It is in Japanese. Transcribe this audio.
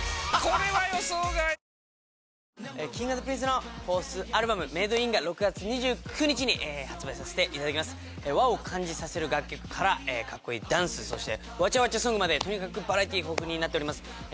Ｋｉｎｇ＆Ｐｒｉｎｃｅの４ｔｈアルバム「Ｍａｄｅｉｎ」が６月２９日に発売させていただきます和を感じさせる楽曲からカッコイイダンスそしてわちゃわちゃソングまでバラエティー豊富になっております